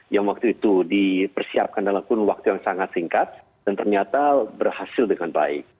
yang waktu itu dipersiapkan dalam kurun waktu yang sangat singkat dan ternyata berhasil dengan baik